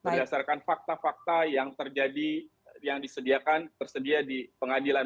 berdasarkan fakta fakta yang terjadi yang disediakan tersedia di pengadilan